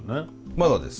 まだです。